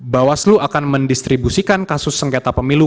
bawaslu akan mendistribusikan kasus sengketa pemilu